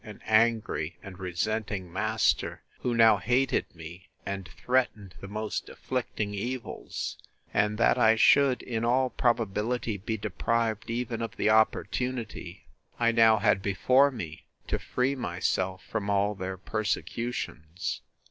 an angry and resenting master, who now hated me, and threatened the most afflicting evils! and that I should, in all probability, be deprived even of the opportunity, I now had before me, to free myself from all their persecutions!